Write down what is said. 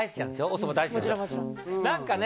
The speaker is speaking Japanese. おそば大好き何かね